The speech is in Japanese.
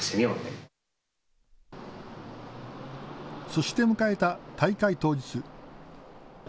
そして迎えた大会当日。